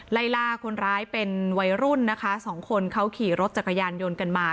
ไล่ล่าคนร้ายเป็นวัยรุ่นนะคะสองคนเขาขี่รถจักรยานยนต์กันมา